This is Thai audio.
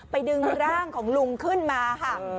ดึงร่างของลุงขึ้นมาค่ะ